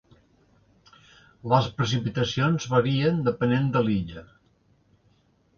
Les precipitacions varien depenent de l'illa.